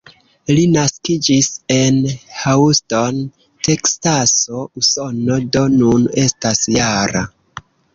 Li naskiĝis en Houston, Teksaso, Usono, do nun estas -jara.